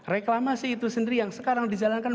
reklamasi itu sendiri yang sekarang dijalankan